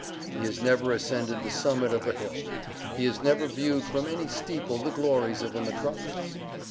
He has never ascended the summit of a hill. He has never viewed from any steeple the glories of a metropolis.